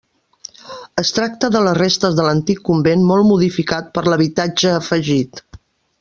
Es tracta de les restes de l'antic convent molt modificat per l'habitatge afegit.